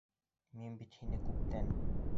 Мин бит һине күптән...